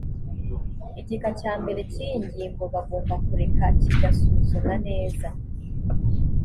igika cya mbere cy’iyi ngingo bagomba kureka kigasuzumwa neza